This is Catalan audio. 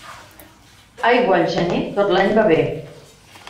Aigua al gener, tot l'any va bé.